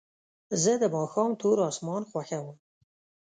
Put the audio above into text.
زه د ماښام تور اسمان خوښوم.